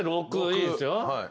いいですよ。